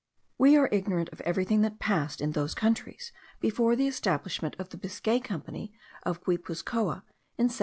We are ignorant of everything that passed in those countries before the establishment of the Biscay Company of Guipuzcoa, in 1728.